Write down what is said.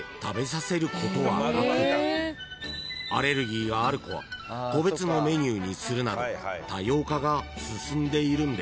［アレルギーがある子は個別のメニューにするなど多様化が進んでいるんです］